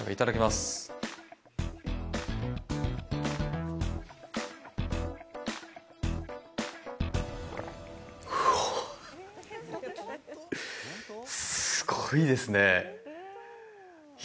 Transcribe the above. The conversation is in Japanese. すごいですね。